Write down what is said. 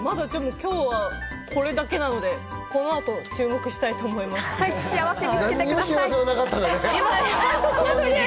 今日はこれだけなので、この後注目したいと思います。